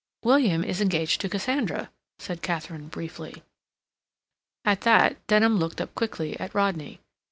"William is engaged to Cassandra," said Katharine briefly. At that Denham looked up quickly at Rodney.